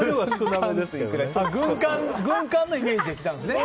軍艦のイメージできたんですね。